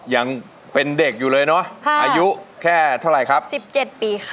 ยังเป็นเด็กอยู่เลยเนอะค่ะอายุแค่เท่าไหร่ครับสิบเจ็ดปีค่ะ